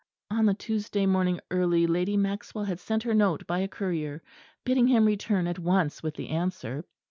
On the Tuesday morning early Lady Maxwell had sent her note by a courier; bidding him return at once with the answer.